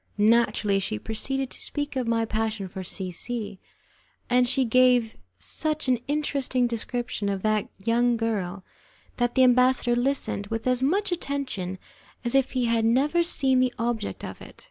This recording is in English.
Naturally, she proceeded to speak of my passion for C C , and she gave such an interesting description of that young girl that the ambassador listened with as much attention as if he had never seen the object of it.